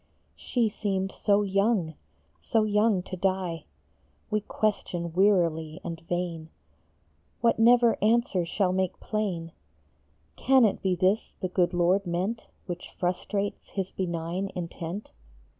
She seemed so young, so young to die ! We question wearily and vain What never answer shall make plain :" Can it be this the good Lord meant Which frustrates his benign intent?